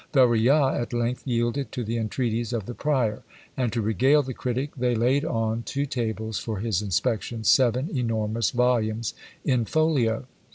Varillas at length yielded to the entreaties of the prior; and to regale the critic, they laid on two tables for his inspection seven enormous volumes in folio.